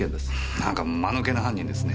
何か間抜けな犯人ですね。